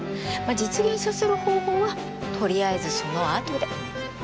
まあ実現させる方法は取りあえずそのあとで。